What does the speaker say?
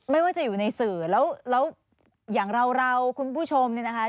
ไม่ว่าจะอยู่ในสื่อแล้วอย่างเราคุณผู้ชมเนี่ยนะคะ